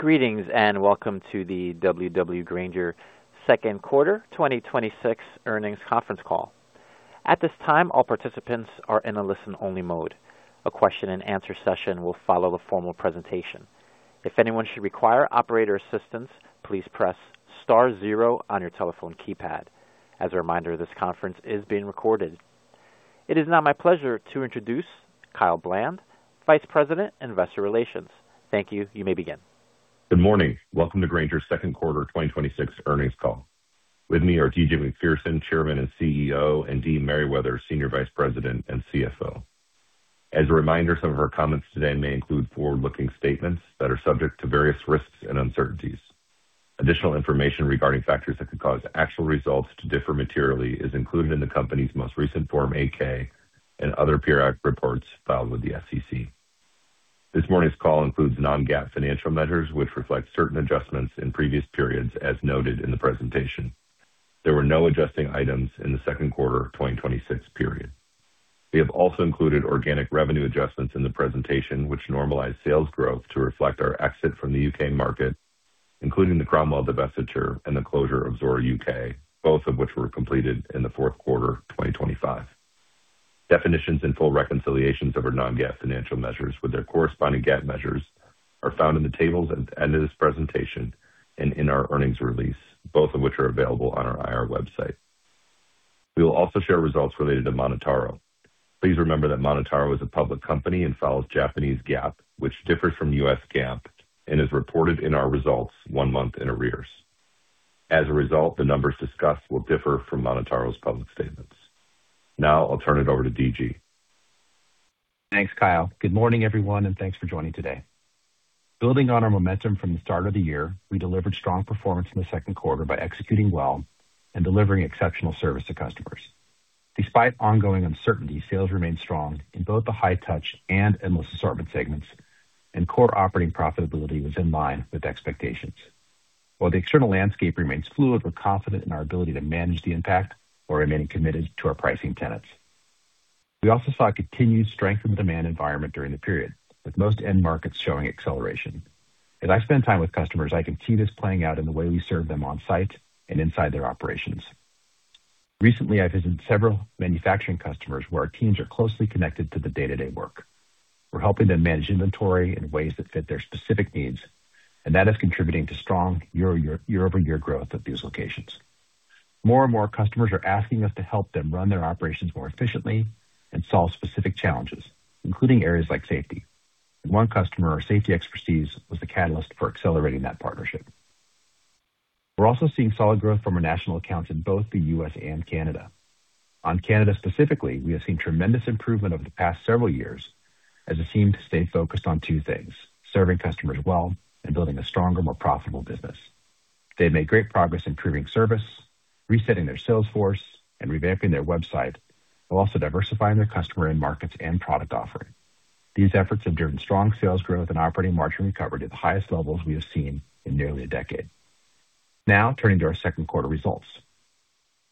Greetings, welcome to the W.W. Grainger second quarter 2026 earnings conference call. At this time, all participants are in a listen-only mode. A question and answer session will follow the formal presentation. If anyone should require operator assistance, please press star zero on your telephone keypad. As a reminder, this conference is being recorded. It is now my pleasure to introduce Kyle Bland, Vice President and Investor Relations. Thank you. You may begin. Good morning. Welcome to Grainger's second quarter 2026 earnings call. With me are D.G. Macpherson, Chairman and CEO, and Dee Merriwether, Senior Vice President and CFO. As a reminder, some of our comments today may include forward-looking statements that are subject to various risks and uncertainties. Additional information regarding factors that could cause actual results to differ materially is included in the company's most recent Form 8-K and other periodic reports filed with the SEC. This morning's call includes non-GAAP financial measures, which reflect certain adjustments in previous periods as noted in the presentation. There were no adjusting items in the second quarter of 2026 period. We have also included organic revenue adjustments in the presentation, which normalize sales growth to reflect our exit from the U.K. market, including the Cromwell divestiture and the closure of Zoro U.K., both of which were completed in the fourth quarter of 2025. Definitions and full reconciliations of our non-GAAP financial measures with their corresponding GAAP measures are found in the tables at the end of this presentation and in our earnings release, both of which are available on our IR website. We will also share results related to MonotaRO. Please remember that MonotaRO is a public company and follows Japanese GAAP, which differs from U.S. GAAP and is reported in our results one month in arrears. As a result, the numbers discussed will differ from MonotaRO's public statements. Now I'll turn it over to D.G. Thanks, Kyle. Good morning, everyone, thanks for joining today. Building on our momentum from the start of the year, we delivered strong performance in the second quarter by executing well and delivering exceptional service to customers. Despite ongoing uncertainty, sales remained strong in both the High-Touch and Endless Assortment segments, and core operating profitability was in line with expectations. While the external landscape remains fluid, we're confident in our ability to manage the impact while remaining committed to our pricing tenets. We also saw continued strength in demand environment during the period, with most end markets showing acceleration. As I spend time with customers, I can see this playing out in the way we serve them on-site and inside their operations. Recently, I visited several manufacturing customers where our teams are closely connected to the day-to-day work. We're helping them manage inventory in ways that fit their specific needs, and that is contributing to strong year-over-year growth at these locations. More and more customers are asking us to help them run their operations more efficiently and solve specific challenges, including areas like safety. With one customer, our safety expertise was the catalyst for accelerating that partnership. We're also seeing solid growth from our national accounts in both the U.S. and Canada. On Canada specifically, we have seen tremendous improvement over the past several years as a team to stay focused on two things: serving customers well and building a stronger, more profitable business. They've made great progress improving service, resetting their sales force, and revamping their website, while also diversifying their customer end markets and product offering. These efforts have driven strong sales growth and operating margin recovery to the highest levels we have seen in nearly a decade. Now turning to our second quarter results.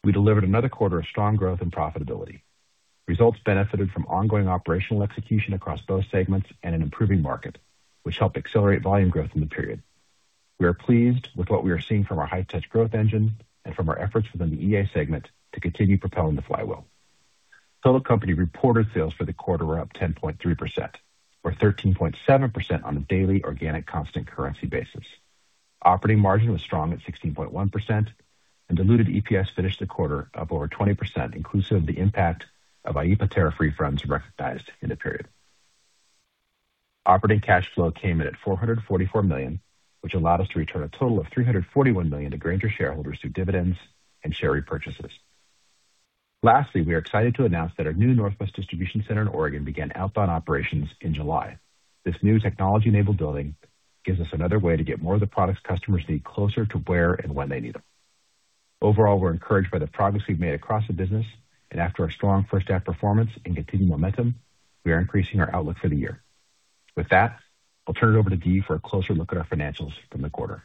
We delivered another quarter of strong growth and profitability. Results benefited from ongoing operational execution across both segments and an improving market, which helped accelerate volume growth in the period. We are pleased with what we are seeing from our High-Touch growth engine and from our efforts within the EA segment to continue propelling the flywheel. Total company reported sales for the quarter were up 10.3%, or 13.7% on a daily organic constant currency basis. Operating margin was strong at 16.1%, and diluted EPS finished the quarter up over 20% inclusive of the impact of IEEPA tariff refunds recognized in the period. Operating cash flow came in at $444 million, which allowed us to return a total of $341 million to Grainger shareholders through dividends and share repurchases. Lastly, we are excited to announce that our new Northwest distribution center in Oregon began outbound operations in July. This new technology-enabled building gives us another way to get more of the products customers need closer to where and when they need them. Overall, we're encouraged by the progress we've made across the business. After our strong first half performance and continued momentum, we are increasing our outlook for the year. With that, I'll turn it over to Dee for a closer look at our financials from the quarter.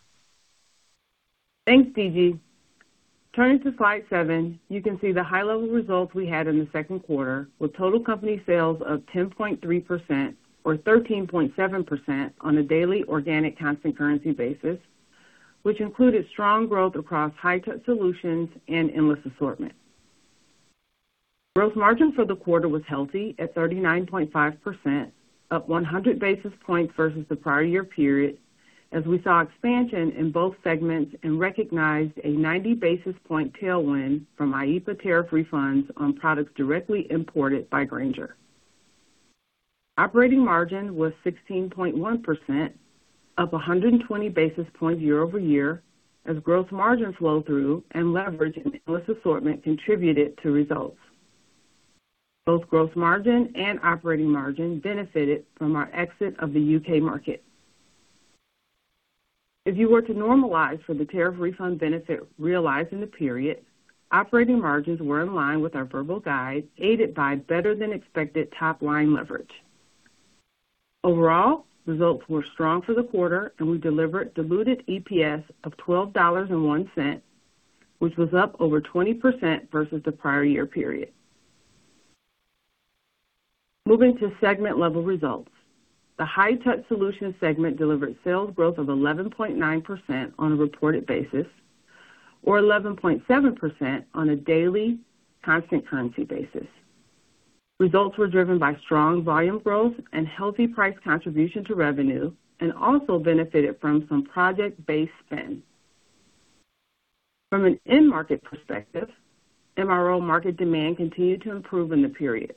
Thanks, D.G. Turning to slide seven, you can see the high-level results we had in the second quarter with total company sales of 10.3%, or 13.7% on a daily organic constant currency basis, which included strong growth across High-Touch Solutions and Endless Assortment. Growth margin for the quarter was healthy at 39.5%, up 100 basis points versus the prior year period, as we saw expansion in both segments and recognized a 90 basis point tailwind from IEEPA tariff refunds on products directly imported by Grainger. Operating margin was 16.1%, up 120 basis points year over year, as growth margins flow through and leverage in Endless Assortment contributed to results. Both growth margin and operating margin benefited from our exit of the U.K. market. If you were to normalize for the tariff refund benefit realized in the period, operating margins were in line with our verbal guide, aided by better-than-expected top-line leverage. Overall, results were strong for the quarter, we delivered diluted EPS of $12.01, which was up over 20% versus the prior year period. Moving to segment level results. The High-Touch Solutions segment delivered sales growth of 11.9% on a reported basis, or 11.7% on a daily constant currency basis. Results were driven by strong volume growth and healthy price contribution to revenue, and also benefited from some project-based spend. From an end market perspective, MRO market demand continued to improve in the period.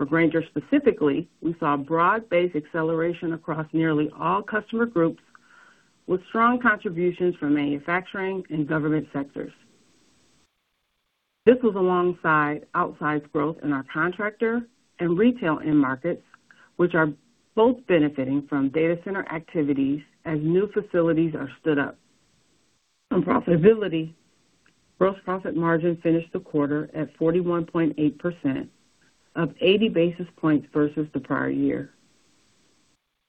For Grainger, specifically, we saw broad-based acceleration across nearly all customer groups with strong contributions from manufacturing and government sectors. This was alongside outsized growth in our contractor and retail end markets, which are both benefiting from data center activities as new facilities are stood up. On profitability, gross profit margin finished the quarter at 41.8%, up 80 basis points versus the prior year.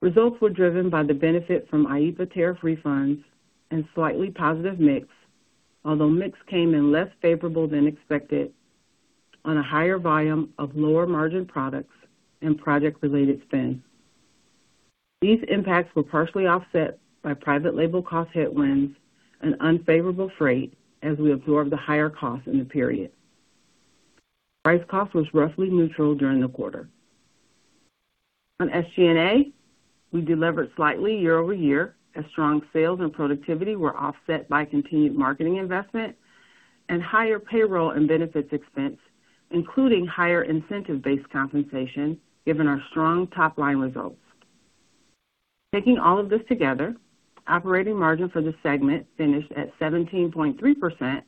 Results were driven by the benefit from IEEPA tariff refunds and slightly positive mix, although mix came in less favorable than expected on a higher volume of lower margin products and project related spend. These impacts were partially offset by private label cost hit wins and unfavorable freight as we absorbed the higher cost in the period. Price cost was roughly neutral during the quarter. On SG&A, we delivered slightly year-over-year as strong sales and productivity were offset by continued marketing investment and higher payroll and benefits expense, including higher incentive-based compensation, given our strong top-line results. Taking all of this together, operating margin for the segment finished at 17.3%,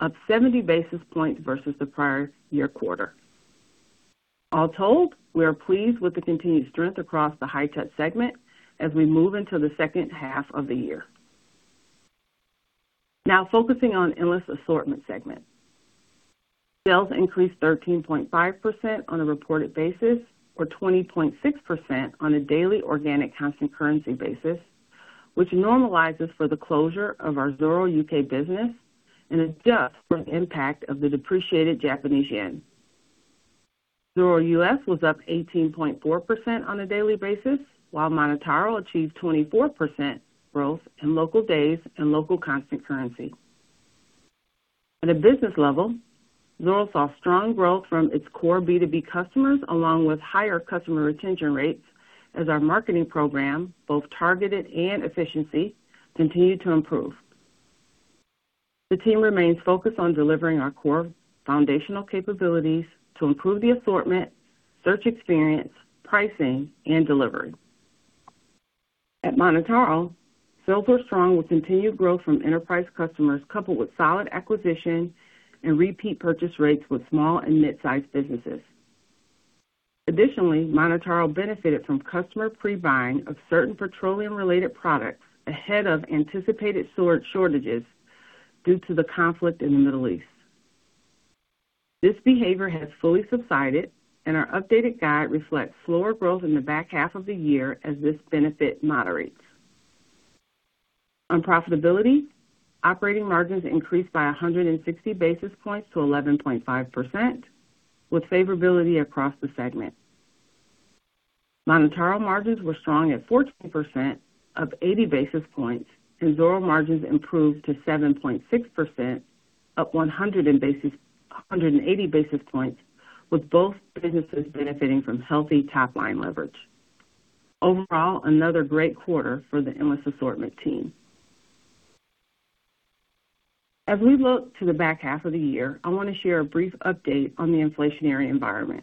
up 70 basis points versus the prior year quarter. All told, we are pleased with the continued strength across the High-Touch segment as we move into the second half of the year. Now focusing on Endless Assortment segment. Sales increased 13.5% on a reported basis, or 20.6% on a daily organic constant currency basis, which normalizes for the closure of our Zoro U.K. business and adjusts for the impact of the depreciated Japanese yen. Zoro U.S. was up 18.4% on a daily basis, while MonotaRO achieved 24% growth in local days and local constant currency. At a business level, Zoro saw strong growth from its core B2B customers, along with higher customer retention rates as our marketing program, both targeted and efficiency, continued to improve. The team remains focused on delivering our core foundational capabilities to improve the assortment, search experience, pricing, and delivery. At MonotaRO, sales were strong with continued growth from enterprise customers coupled with solid acquisition and repeat purchase rates with small and mid-sized businesses. Additionally, MonotaRO benefited from customer pre-buying of certain petroleum-related products ahead of anticipated shortages due to the conflict in the Middle East. This behavior has fully subsided, and our updated guide reflects slower growth in the back half of the year as this benefit moderates. On profitability, operating margins increased by 160 basis points to 11.5%, with favorability across the segment. MonotaRO margins were strong at 14% up 80 basis points, and Zoro margins improved to 7.6% up 180 basis points, with both businesses benefiting from healthy top-line leverage. Overall, another great quarter for the Endless Assortment team. As we look to the back half of the year, I want to share a brief update on the inflationary environment.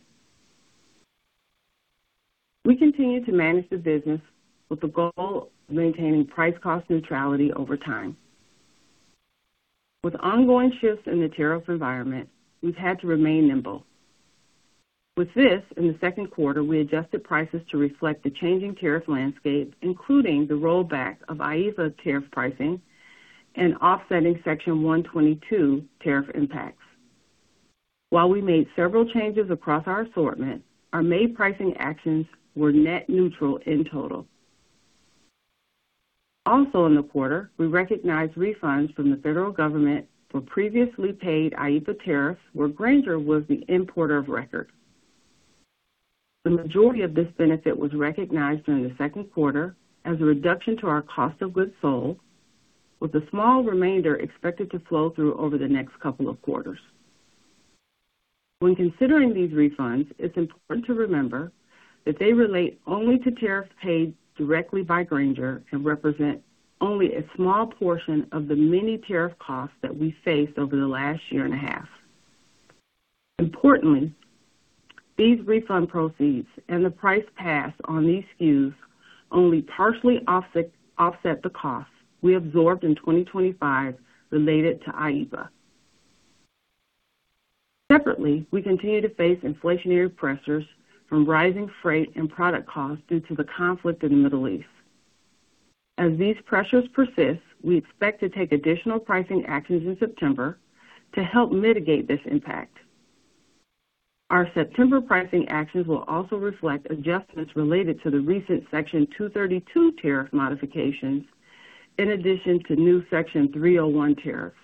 We continue to manage the business with the goal of maintaining price-cost neutrality over time. With ongoing shifts in the tariff environment, we've had to remain nimble. In the second quarter, we adjusted prices to reflect the changing tariff landscape, including the rollback of IEEPA tariff pricing and offsetting Section 232 tariff impacts. While we made several changes across our assortment, our May pricing actions were net neutral in total. Also in the quarter, we recognized refunds from the federal government for previously paid IEEPA tariffs, where Grainger was the importer of record. The majority of this benefit was recognized during the second quarter as a reduction to our cost of goods sold, with a small remainder expected to flow through over the next couple of quarters. When considering these refunds, it's important to remember that they relate only to tariffs paid directly by Grainger and represent only a small portion of the many tariff costs that we faced over the last year and a half. Importantly, these refund proceeds and the price pass on these SKUs only partially offset the cost we absorbed in 2025 related to IEEPA. Separately, we continue to face inflationary pressures from rising freight and product costs due to the conflict in the Middle East. As these pressures persist, we expect to take additional pricing actions in September to help mitigate this impact. Our September pricing actions will also reflect adjustments related to the recent Section 232 tariff modifications, in addition to new Section 301 tariffs.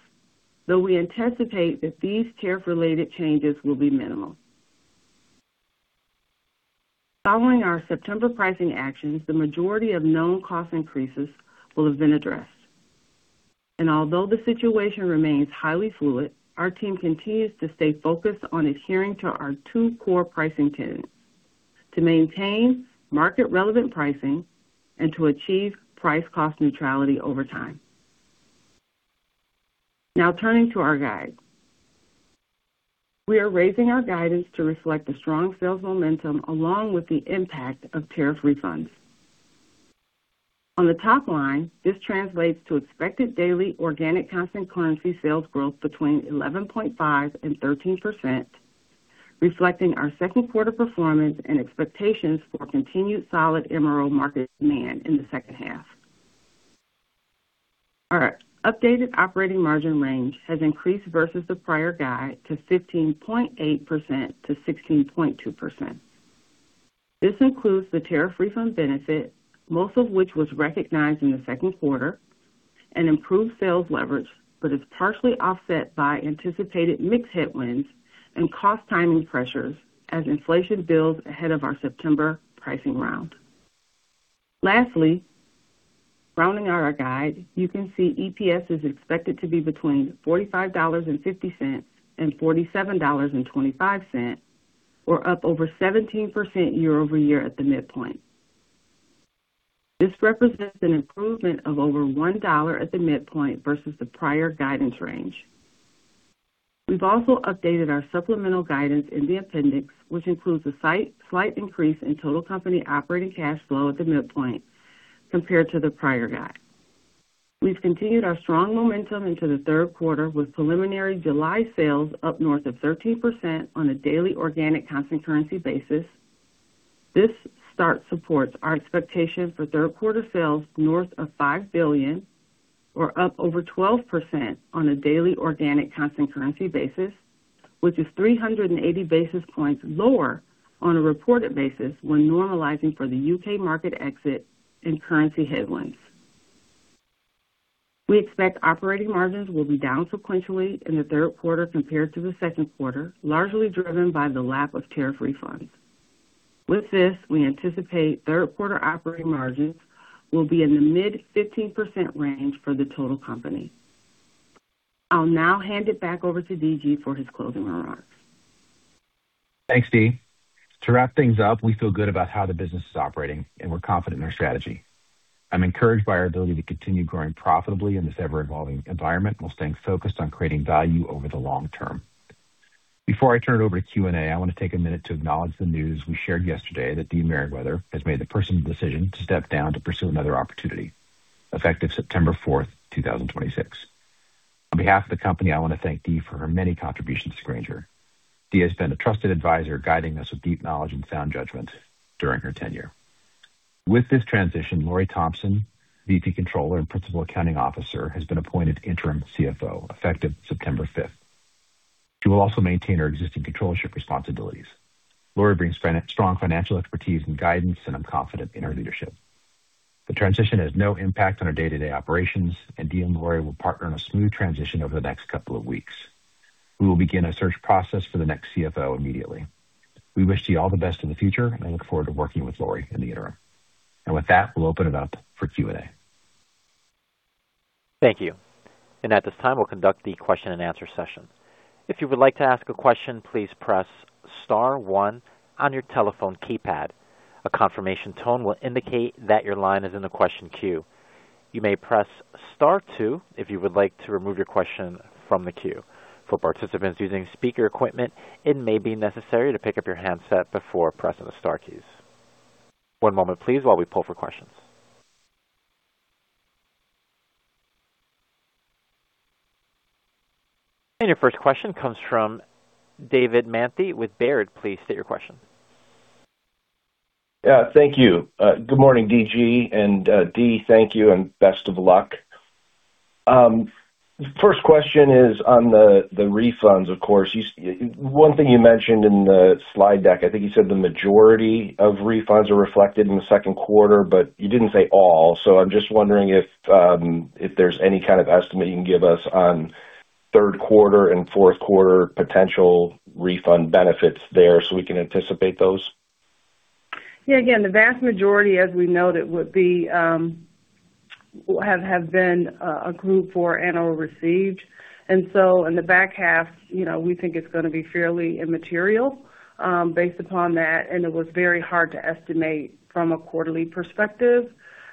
Though we anticipate that these tariff-related changes will be minimal. Following our September pricing actions, the majority of known cost increases will have been addressed. And although the situation remains highly fluid, our team continues to stay focused on adhering to our two core pricing tenets, to maintain market-relevant pricing and to achieve price-cost neutrality over time. Turning to our guide. We are raising our guidance to reflect the strong sales momentum along with the impact of tariff refunds. On the top line, this translates to expected daily organic constant currency sales growth between 11.5% and 13%, reflecting our second quarter performance and expectations for continued solid MRO market demand in the second half. Our updated operating margin range has increased versus the prior guide to 15.8%-16.2%. This includes the tariff refund benefit, most of which was recognized in the second quarter, and improved sales leverage, but is partially offset by anticipated mix headwinds and cost timing pressures as inflation builds ahead of our September pricing round. Lastly, rounding out our guide, you can see EPS is expected to be between $45.50 and $47.25, or up over 17% year-over-year at the midpoint. This represents an improvement of over $1 at the midpoint versus the prior guidance range. We've also updated our supplemental guidance in the appendix, which includes a slight increase in total company operating cash flow at the midpoint compared to the prior guide. We've continued our strong momentum into the third quarter with preliminary July sales up north of 13% on a daily organic constant currency basis. This start supports our expectation for third quarter sales north of $5 billion, or up over 12% on a daily organic constant currency basis, which is 380 basis points lower on a reported basis when normalizing for the U.K. market exit and currency headwinds. We expect operating margins will be down sequentially in the third quarter compared to the second quarter, largely driven by the lap of tariff refunds. With this, we anticipate third quarter operating margins will be in the mid 15% range for the total company. I'll now hand it back over to D.G. for his closing remarks. Thanks, Dee. To wrap things up, we feel good about how the business is operating, and we're confident in our strategy. I'm encouraged by our ability to continue growing profitably in this ever-evolving environment while staying focused on creating value over the long term. Before I turn it over to Q&A, I want to take a minute to acknowledge the news we shared yesterday that Dee Merriwether has made the personal decision to step down to pursue another opportunity, effective September 4, 2026. On behalf of the company, I want to thank Dee for her many contributions to Grainger. Dee has been a trusted advisor, guiding us with deep knowledge and sound judgment during her tenure. With this transition, Laurie Thomson, VP, Controller, and Principal Accounting Officer, has been appointed interim CFO, effective September 5th. She will also maintain her existing controllership responsibilities. Laurie brings strong financial expertise and guidance, and I'm confident in her leadership. The transition has no impact on our day-to-day operations, and Dee and Laurie will partner on a smooth transition over the next couple of weeks. We will begin a search process for the next CFO immediately. We wish Dee all the best in the future, and I look forward to working with Laurie in the interim. With that, we'll open it up for Q&A. Thank you. At this time, we will conduct the question-and-answer session. If you would like to ask a question, please press star one on your telephone keypad. A confirmation tone will indicate that your line is in the question queue. You may press star two if you would like to remove your question from the queue. For participants using speaker equipment, it may be necessary to pick up your handset before pressing the star keys. One moment, please, while we pull for questions. Your first question comes from David Manthey with Baird. Please state your question. Thank you. Good morning, D.G., and Dee, thank you and best of luck. First question is on the refunds, of course. One thing you mentioned in the slide deck, I think you said the majority of refunds are reflected in the second quarter. You didn't say all. I am just wondering if there is any kind of estimate you can give us on third quarter and fourth quarter potential refund benefits there so we can anticipate those. Again, the vast majority, as we noted, have been accrued for and/or received. In the back half, we think it is going to be fairly immaterial based upon that, and it was very hard to estimate from a quarterly perspective.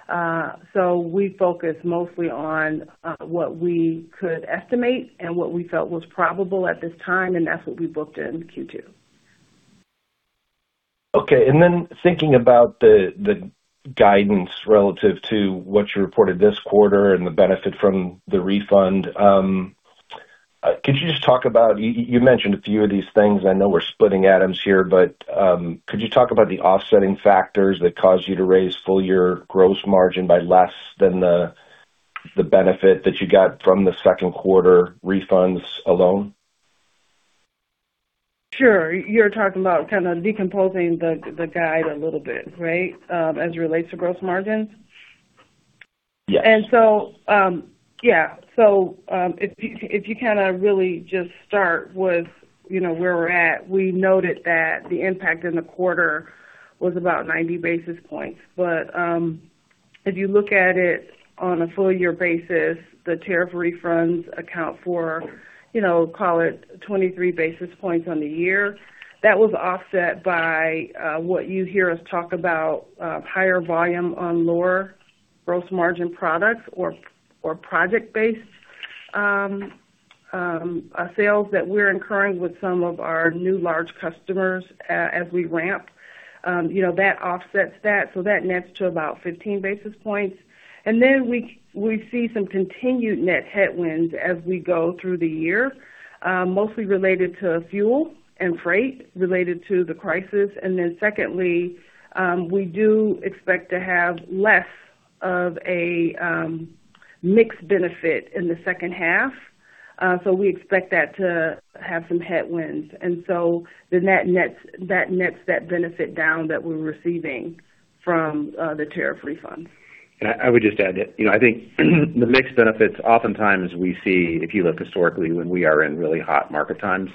We focused mostly on what we could estimate and what we felt was probable at this time, and that is what we booked in Q2. Okay. Thinking about the guidance relative to what you reported this quarter and the benefit from the refund, could you just talk about You mentioned a few of these things. I know we are splitting atoms here. Could you talk about the offsetting factors that caused you to raise full year gross margin by less than the benefit that you got from the second quarter refunds alone? Sure. You're talking about kind of decomposing the guide a little bit, right? As it relates to gross margins? Yes. If you kind of really just start with where we're at, we noted that the impact in the quarter was about 90 basis points. If you look at it on a full year basis, the tariff refunds account for call it 23 basis points on the year. That was offset by what you hear us talk about, higher volume on lower gross margin products or project-based sales that we're incurring with some of our new large customers as we ramp. That offsets that, so that nets to about 15 basis points. We see some continued net headwinds as we go through the year, mostly related to fuel and freight related to the crisis. Secondly, we do expect to have less of a mix benefit in the second half. We expect that to have some headwinds. That nets that benefit down that we're receiving from the tariff refunds. I would just add that I think the mix benefits, oftentimes we see, if you look historically, when we are in really hot market times,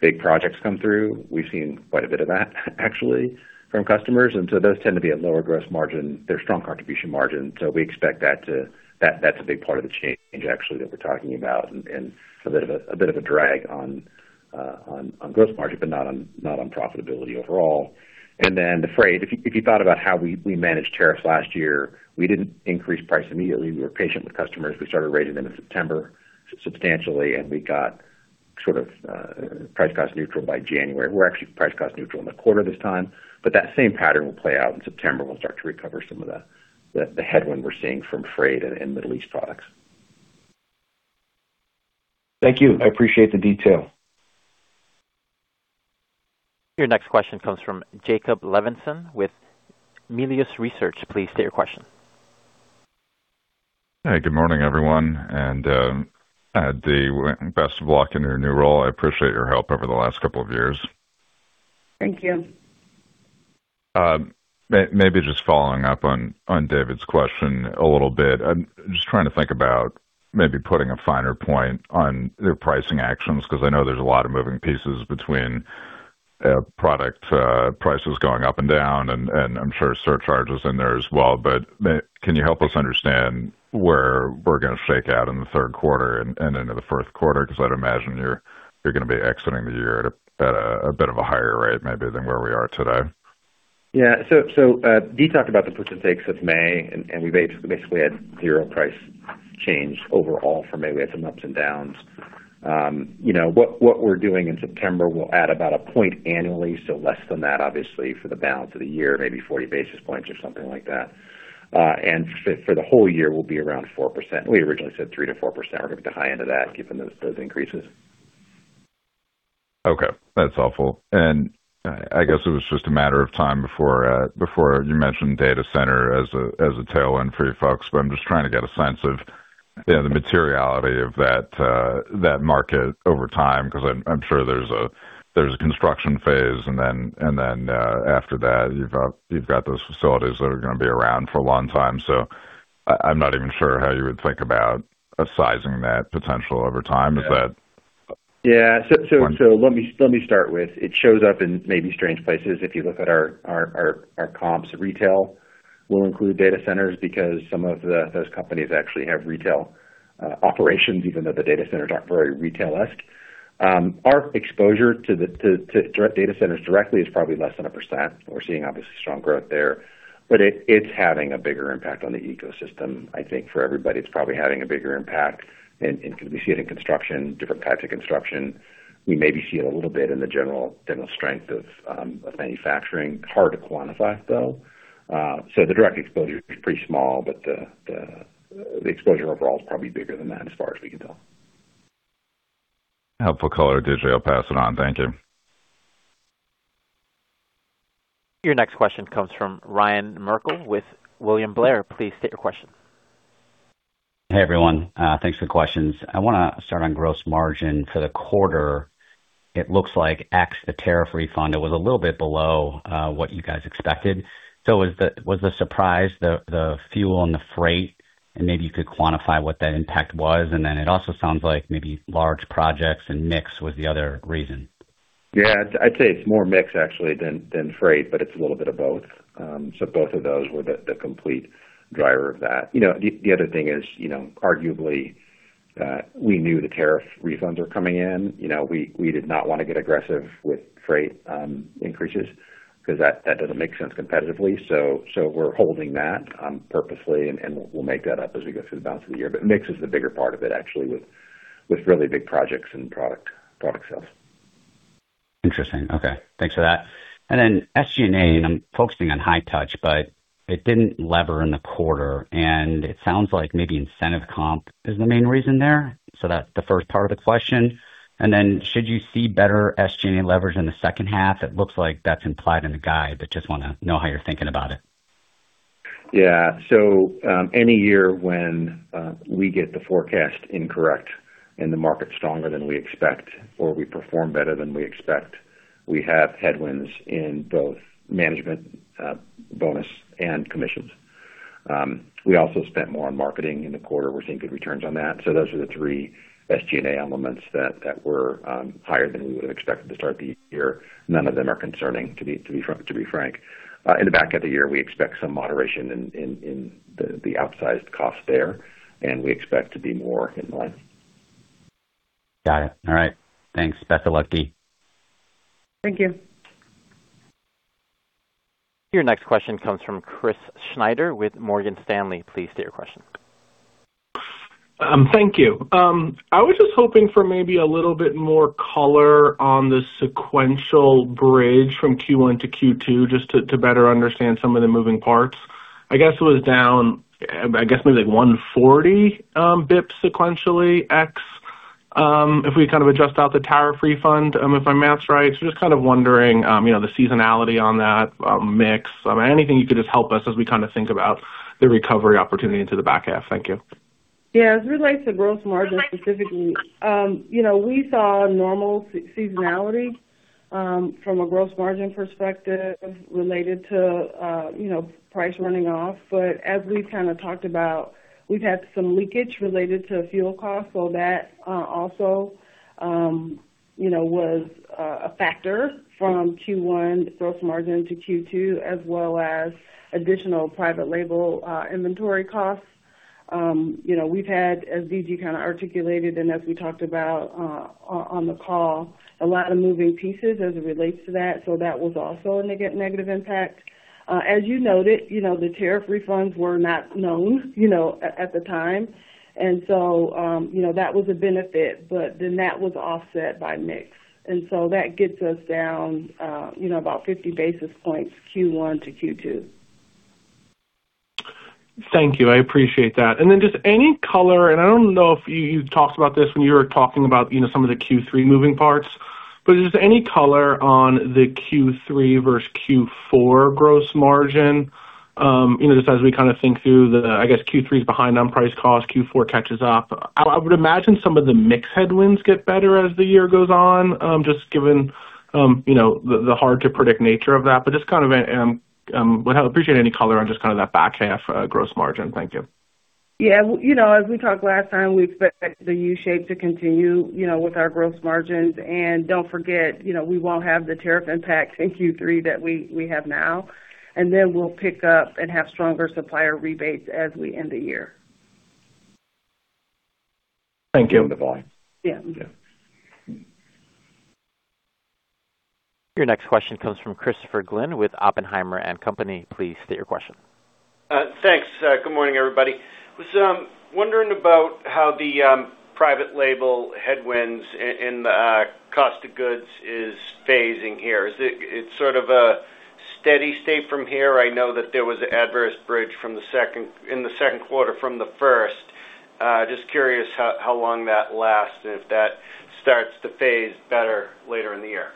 big projects come through. We've seen quite a bit of that actually from customers, those tend to be at lower gross margin. They're strong contribution margin. We expect that's a big part of the change actually that we're talking about and a bit of a drag on gross margin, but not on profitability overall. The freight. If you thought about how we managed tariffs last year, we didn't increase price immediately. We were patient with customers. We started raising them in September substantially, and we got sort of price cost neutral by January. We're actually price cost neutral in the quarter this time, but that same pattern will play out in September. We'll start to recover some of the headwind we're seeing from freight and Middle East products. Thank you. I appreciate the detail. Your next question comes from Jacob Levinson with Melius Research. Please state your question. Hey, good morning everyone. Dee, best of luck in your new role. I appreciate your help over the last couple of years. Thank you. Maybe just following up on David's question a little bit. I'm just trying to think about maybe putting a finer point on your pricing actions, because I know there's a lot of moving pieces between product prices going up and down, and I'm sure surcharges in there as well. Can you help us understand where we're going to shake out in the third quarter and into the fourth quarter? Because I'd imagine you're going to be exiting the year at a bit of a higher rate, maybe, than where we are today. Yeah. Dee talked about the puts and takes of May, and we basically had zero price change overall for May. We had some ups and downs. What we're doing in September will add about a point annually, so less than that, obviously, for the balance of the year, maybe 40 basis points or something like that. For the whole year will be around 4%. We originally said 3%-4%. We're going to be at the high end of that given those increases. Okay. That's helpful. I guess it was just a matter of time before you mentioned data center as a tailwind for you folks, I'm just trying to get a sense of the materiality of that market over time, because I'm sure there's a construction phase, and then after that, you've got those facilities that are going to be around for a long time. I'm not even sure how you would think about sizing that potential over time. Is that Let me start with, it shows up in maybe strange places. If you look at our comps at retail, we'll include data centers because some of those companies actually have retail operations, even though the data centers aren't very retail-esque. Our exposure to data centers directly is probably less than 1%. We're seeing obviously strong growth there, but it's having a bigger impact on the ecosystem. I think for everybody, it's probably having a bigger impact, because we see it in construction, different types of construction. We maybe see it a little bit in the general strength of manufacturing. It's hard to quantify, though. The direct exposure is pretty small, but the exposure overall is probably bigger than that as far as we can tell. Helpful color, D.G. I'll pass it on. Thank you. Your next question comes from Ryan Merkel with William Blair. Please state your question. Hey, everyone. Thanks for the questions. I want to start on gross margin for the quarter. It looks like ex the tariff refund, it was a little bit below what you guys expected. Was the surprise the fuel and the freight? Maybe you could quantify what that impact was. Then it also sounds like maybe large projects and mix was the other reason. Yeah. I'd say it's more mix actually than freight, but it's a little bit of both. Both of those were the complete driver of that. The other thing is, arguably, we knew the tariff refunds were coming in. We did not want to get aggressive with freight increases because that doesn't make sense competitively. We're holding that purposely, and we'll make that up as we go through the balance of the year. Mix is the bigger part of it actually with really big projects and product sales. Interesting. Okay. Thanks for that. SG&A, and I'm focusing on High-Touch, but it didn't lever in the quarter, and it sounds like maybe incentive comp is the main reason there. That's the first part of the question. Should you see better SG&A levers in the second half? It looks like that's implied in the guide, but just want to know how you're thinking about it. Yeah. Any year when we get the forecast incorrect and the market's stronger than we expect, or we perform better than we expect, we have headwinds in both management bonus and commissions. We also spent more on marketing in the quarter. We're seeing good returns on that. Those are the three SG&A elements that were higher than we would have expected to start the year. None of them are concerning, to be frank. In the back of the year, we expect some moderation in the outsized cost there, and we expect to be more in line. Got it. All right. Thanks, Best of luck Dee. Thank you. Your next question comes from Chris Snyder with Morgan Stanley. Please state your question. Thank you. I was just hoping for maybe a little bit more color on the sequential bridge from Q1 to Q2, just to better understand some of the moving parts. I guess it was down maybe 140 basis points sequentially, ex, if we adjust out the tariff refund, if my math's right. Just kind of wondering the seasonality on that mix. Anything you could just help us as we think about the recovery opportunity into the back half. Thank you. Yeah. As it relates to gross margin specifically, we saw normal seasonality from a gross margin perspective related to price running off. As we've talked about, we've had some leakage related to fuel costs. That also was a factor from Q1 gross margin to Q2 as well as additional private label inventory costs. We've had, as D.G. articulated and as we talked about on the call, a lot of moving pieces as it relates to that. That was also a negative impact. As you noted, the tariff refunds were not known at the time. That was a benefit, but then that was offset by mix. That gets us down about 50 basis points Q1 to Q2. Thank you. I appreciate that. Just any color, and I don't know if you talked about this when you were talking about some of the Q3 moving parts, just any color on the Q3 versus Q4 gross margin. Just as we think through the, I guess, Q3's behind on price cost, Q4 catches up. I would imagine some of the mix headwinds get better as the year goes on, just given the hard-to-predict nature of that. Would appreciate any color on just that back half gross margin. Thank you. Yeah. As we talked last time, we expect the U-shape to continue with our gross margins. Don't forget, we won't have the tariff impact in Q3 that we have now. We'll pick up and have stronger supplier rebates as we end the year. Thank you. In the volume. Yeah. Yeah. Your next question comes from Christopher Glynn with Oppenheimer & Co. Please state your question. Thanks. Good morning, everybody. Was wondering about how the private label headwinds in the cost of goods is phasing here. It's sort of a steady state from here. I know that there was adverse bridge in the second quarter from the first. Just curious how long that lasts, if that starts to phase better later in the year.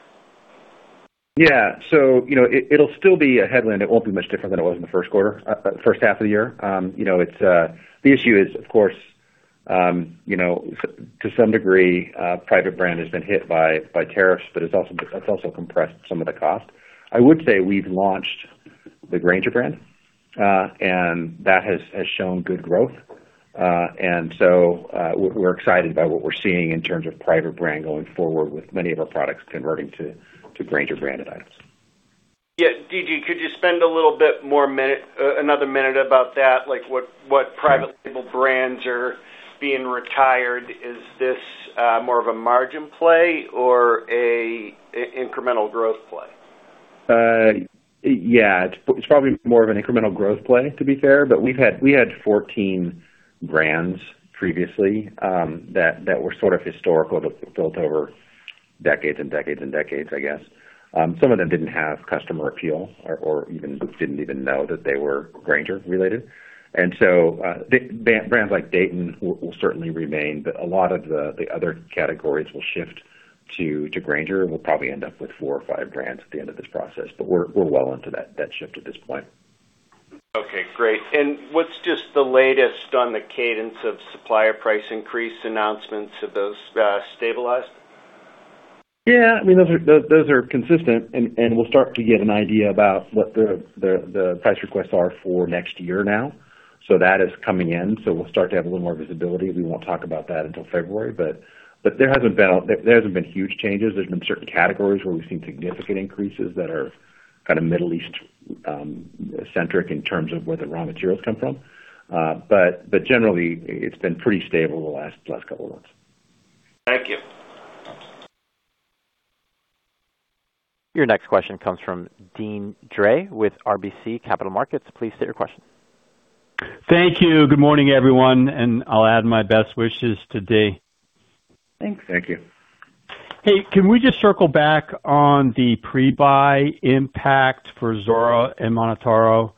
Yeah. It'll still be a headwind. It won't be much different than it was in the first quarter, first half of the year. The issue is, of course, to some degree, private brand has been hit by tariffs, but that's also compressed some of the cost. I would say we've launched the Grainger brand, and that has shown good growth. We're excited by what we're seeing in terms of private brand going forward with many of our products converting to Grainger branded items. Yeah. D.G., could you spend a little bit more minute, another minute about that? Like what private label brands are being retired? Is this more of a margin play or a incremental growth play? Yeah. It's probably more of an incremental growth play, to be fair. We had 14 brands previously that were sort of historical, built over decades and decades and decades, I guess. Some of them didn't have customer appeal or didn't even know that they were Grainger related. Brands like Dayton will certainly remain, a lot of the other categories will shift to Grainger, and we'll probably end up with four or five brands at the end of this process. We're well into that shift at this point. Okay, great. What's just the latest on the cadence of supplier price increase announcements? Have those stabilized? Yeah. Those are consistent, we'll start to get an idea about what the price requests are for next year now. That is coming in. We'll start to have a little more visibility. We won't talk about that until February. There hasn't been huge changes. There's been certain categories where we've seen significant increases that are kind of Middle East centric in terms of where the raw materials come from. Generally, it's been pretty stable the last couple of months. Thank you. Your next question comes from Deane Dray with RBC Capital Markets. Please state your question. Thank you. Good morning, everyone, and I'll add my best wishes to Dee. Thanks. Thank you. Hey, can we just circle back on the pre-buy impact for Zoro and MonotaRO?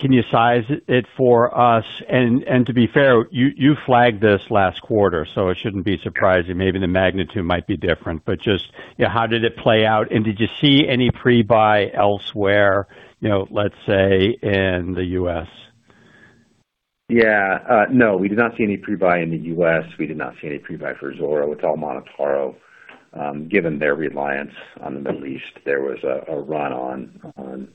Can you size it for us? To be fair, you flagged this last quarter, so it shouldn't be surprising. Maybe the magnitude might be different, but just how did it play out, and did you see any pre-buy elsewhere, let's say in the U.S.? No, we did not see any pre-buy in the U.S. We did not see any pre-buy for Zoro. With MonotaRO, given their reliance on the Middle East, there was a run on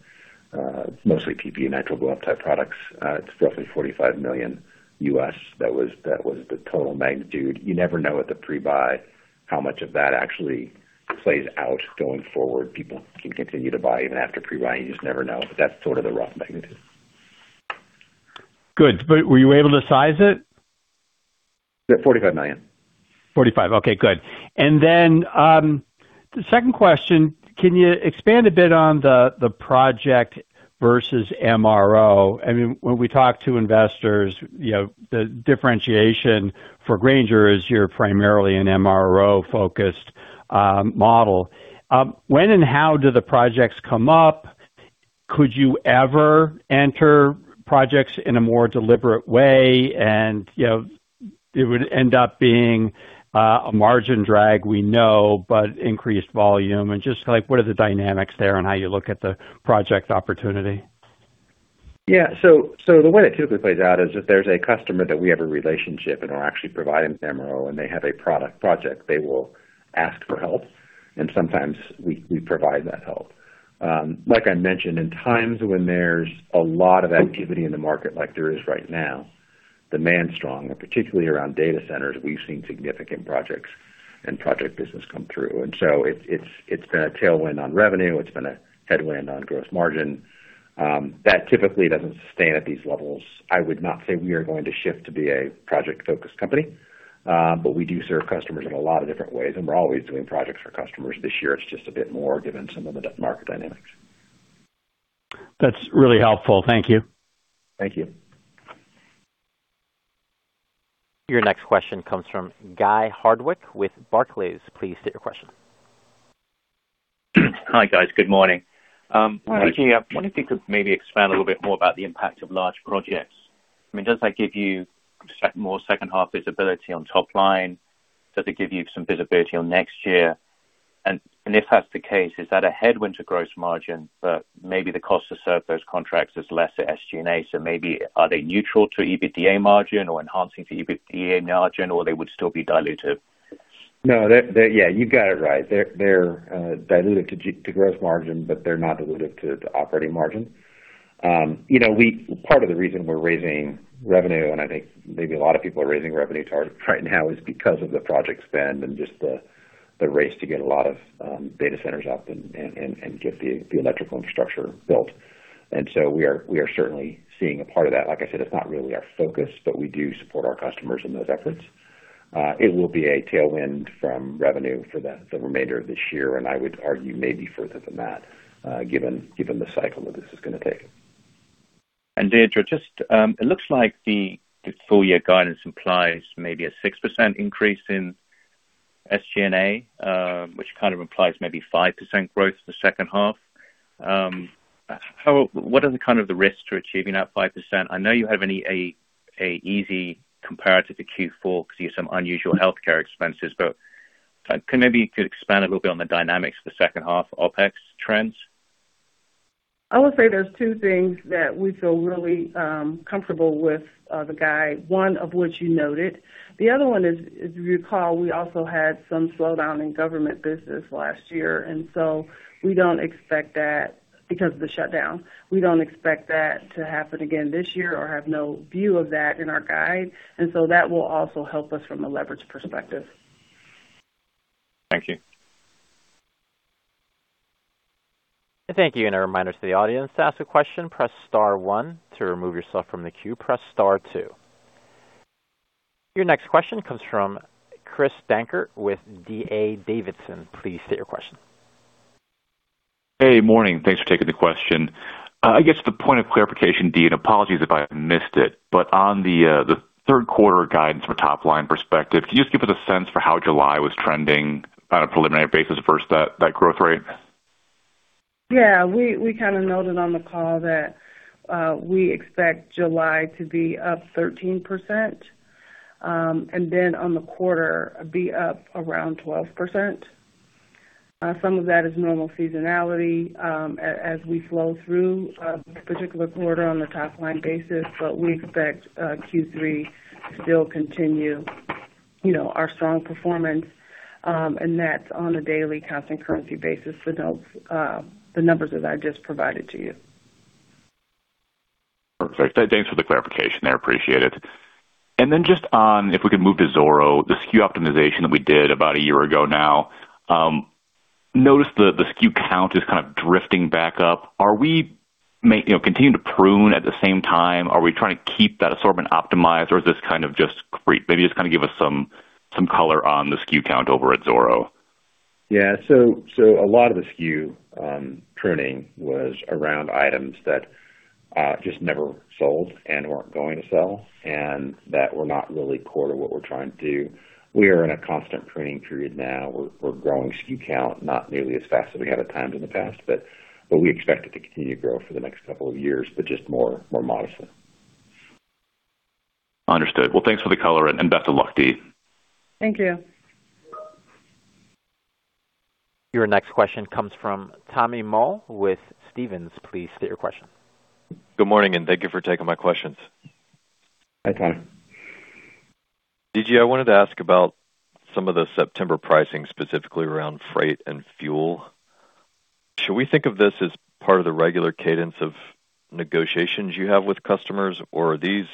mostly PPE and nitrile gloves type products. It's roughly $45 million U.S. That was the total magnitude. You never know with the pre-buy how much of that actually plays out going forward. People can continue to buy even after pre-buy, and you just never know. That's sort of the rough magnitude. Good. Were you able to size it? $45 million. $45 million. Okay, good. The second question, can you expand a bit on the project versus MRO? When we talk to investors, the differentiation for Grainger is you're primarily an MRO-focused model. When and how do the projects come up? Could you ever enter projects in a more deliberate way? It would end up being a margin drag, we know, but increased volume, and just like what are the dynamics there on how you look at the project opportunity? Yeah. The way it typically plays out is if there's a customer that we have a relationship and are actually providing MRO, and they have a product project, they will ask for help, and sometimes we provide that help. Like I mentioned, in times when there's a lot of activity in the market, like there is right now, demand's strong, and particularly around data centers, we've seen significant projects and project business come through. It's been a tailwind on revenue. It's been a headwind on gross margin. That typically doesn't sustain at these levels. I would not say we are going to shift to be a project-focused company. We do serve customers in a lot of different ways, and we're always doing projects for customers. This year, it's just a bit more given some of the market dynamics. That's really helpful. Thank you. Thank you. Your next question comes from Guy Hardwick with Barclays. Please state your question. Hi, guys. Good morning. Morning. D.G., I wonder if you could maybe expand a little bit more about the impact of large projects. Does that give you more second half visibility on top line? Does it give you some visibility on next year? If that's the case, is that a headwind to gross margin, but maybe the cost to serve those contracts is less to SG&A, so maybe are they neutral to EBITDA margin or enhancing to EBITDA margin, or they would still be diluted? No. You got it right. They're diluted to gross margin, but they're not diluted to operating margin. Part of the reason we're raising revenue, I think maybe a lot of people are raising revenue right now, is because of the project spend and just the race to get a lot of data centers up and get the electrical infrastructure built. We are certainly seeing a part of that. Like I said, it's not really our focus, but we do support our customers in those efforts. It will be a tailwind from revenue for the remainder of this year, and I would argue maybe further than that, given the cycle that this is going to take. Deidre, it looks like the full year guidance implies maybe a 6% increase in SG&A, which kind of implies maybe 5% growth in the second half. What are the kind of the risks to achieving that 5%? I know you have an easy comparative to Q4 because you had some unusual healthcare expenses, but maybe you could expand a little bit on the dynamics for second half OpEx trends. I would say there are two things that we feel really comfortable with the guide, one of which you noted. The other one is, as you recall, we also had some slowdown in government business last year. We don't expect that because of the shutdown. We don't expect that to happen again this year or have no view of that in our guide. That will also help us from a leverage perspective. Thank you. Thank you. A reminder to the audience, to ask a question, press star one. To remove yourself from the queue, press star two. Your next question comes from Chris Dankert with D.A. Davidson. Please state your question. Hey, morning. Thanks for taking the question. I guess the point of clarification, Dee, and apologies if I missed it, but on the third quarter guidance from a top-line perspective, can you just give us a sense for how July was trending on a preliminary basis versus that growth rate? Yeah. We kind of noted on the call that we expect July to be up 13%, and then on the quarter be up around 12%. Some of that is normal seasonality as we flow through a particular quarter on the top-line basis, but we expect Q3 to still continue our strong performance, and that's on a daily constant currency basis for the numbers that I just provided to you. Perfect. Thanks for the clarification there. Appreciate it. Just on, if we could move to Zoro, the SKU optimization that we did about a year ago now. Notice the SKU count is kind of drifting back up. Are we continuing to prune at the same time? Are we trying to keep that assortment optimized, or maybe just kind of give us some color on the SKU count over at Zoro. Yeah. A lot of the SKU pruning was around items that just never sold and weren't going to sell and that were not really core to what we're trying to do. We are in a constant pruning period now. We're growing SKU count not nearly as fast as we have at times in the past, but we expect it to continue to grow for the next couple of years, but just more modestly. Understood. Well, thanks for the color and best of luck, Dee. Thank you. Your next question comes from Tommy Moll with Stephens. Please state your question. Good morning, thank you for taking my questions. Okay. D.G., I wanted to ask about some of the September pricing, specifically around freight and fuel. Should we think of this as part of the regular cadence of negotiations you have with customers, or are these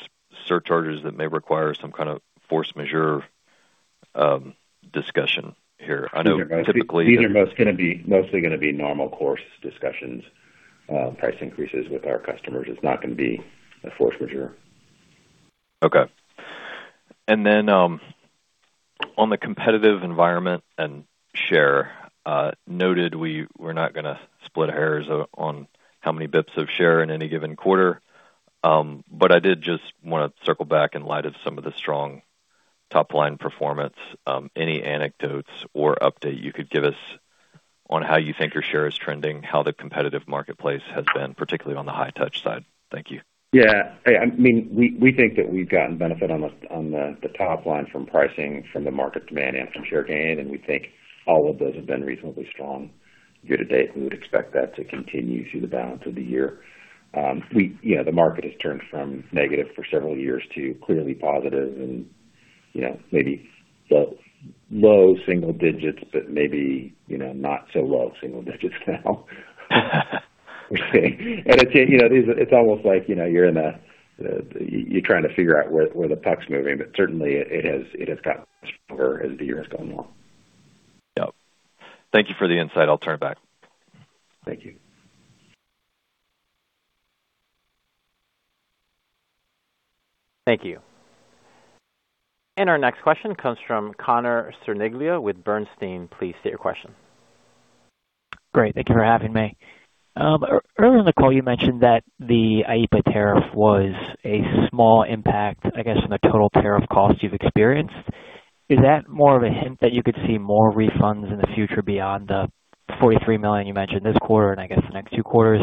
surcharges that may require some kind of force majeure discussion here? I know typically- These are mostly going to be normal course discussions, price increases with our customers. It is not going to be a force majeure. Okay. Then on the competitive environment and share, noted we are not gonna split hairs on how many basis points of share in any given quarter. I did just want to circle back in light of some of the strong top-line performance. Any anecdotes or update you could give us on how you think your share is trending, how the competitive marketplace has been, particularly on the High-Touch side? Thank you. Yeah. We think that we have gotten benefit on the top line from pricing, from the market demand, and from share gain, and we think all of those have been reasonably strong year-to-date, and we would expect that to continue through the balance of the year. The market has turned from negative for several years to clearly positive and maybe low single-digits, but maybe not so low single-digits now. It is almost like you are trying to figure out where the puck's moving, but certainly it has gotten stronger as the year has gone on. Yep. Thank you for the insight. I will turn it back. Thank you. Thank you. Our next question comes from Connor Cerniglia with Bernstein. Please state your question. Great. Thank you for having me. Earlier in the call, you mentioned that the IEEPA tariff was a small impact, I guess, on the total tariff cost you've experienced. Is that more of a hint that you could see more refunds in the future beyond the $43 million you mentioned this quarter and I guess the next two quarters?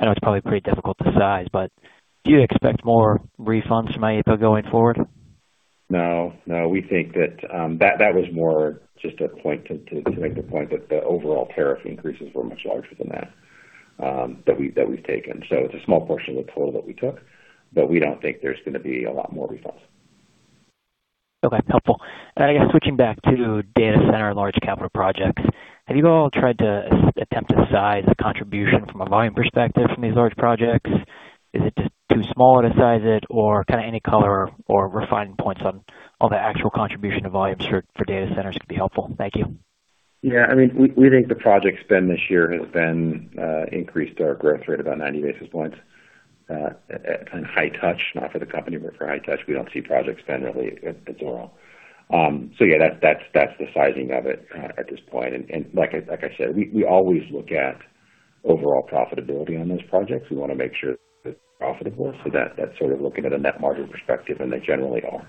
I know it's probably pretty difficult to size, but do you expect more refunds from IEEPA going forward? No. We think that that was more just to make the point that the overall tariff increases were much larger than that we've taken. It's a small portion of the total that we took, but we don't think there's going to be a lot more refunds. Okay. Helpful. I guess switching back to [inaudible] and large capital projects, have you all tried to attempt to size the contribution from a volume perspective from these large projects? Is it just too small to size it or any color or refining points on the actual contribution to volume for data centers could be helpful. Thank you. Yeah, we think the project spend this year has increased our growth rate about 90 basis points on High-Touch. Not for the company, but for High-Touch, we don't see project spend really at zero. Yeah, that's the sizing of it at this point. Like I said, we always look at overall profitability on those projects. We want to make sure it's profitable, so that's sort of looking at a net margin perspective, and they generally are.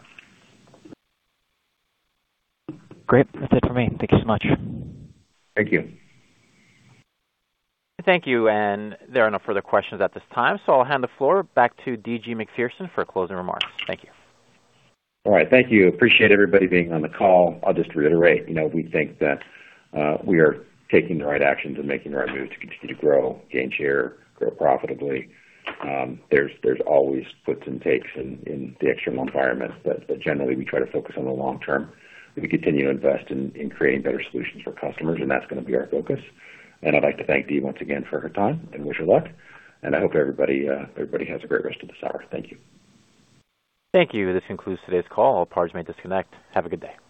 Great. That's it for me. Thank you so much. Thank you. Thank you. There are no further questions at this time, I'll hand the floor back to D.G. Macpherson for closing remarks. Thank you. All right. Thank you. Appreciate everybody being on the call. I'll just reiterate, we think that we are taking the right actions and making the right moves to continue to grow, gain share, grow profitably. There's always gives and takes in the external environment, but generally, we try to focus on the long term. We continue to invest in creating better solutions for customers, and that's going to be our focus. I'd like to thank Dee once again for her time and wish her luck. I hope everybody has a great rest of this hour. Thank you. Thank you. This concludes today's call. All parties may disconnect. Have a good day.